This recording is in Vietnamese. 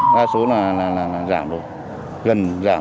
đa số là giảm rồi gần giảm